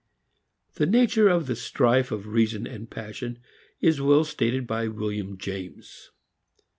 The nature of the strife of reason and passion is well stated by William James.